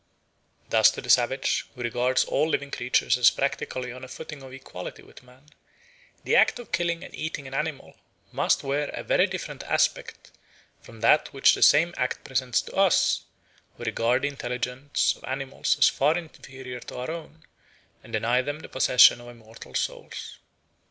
Thus to the savage, who regards all living creatures as practically on a footing of equality with man, the act of killing and eating an animal must wear a very different aspect from that which the same act presents to us, who regard the intelligence of animals as far inferior to our own and deny them the possession of immortal souls.